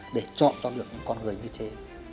để chọn cho được những con người như thế